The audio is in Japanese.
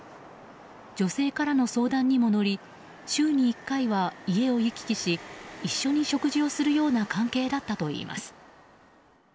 女性からの相談にも乗り週に１回は家を行き来し一緒に食事をするような関係だったといいます。